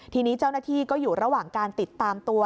ทีนี้เจ้าหน้าที่ก็อยู่ระหว่างการติดตามตัว